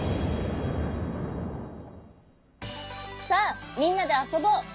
さあみんなであそぼう！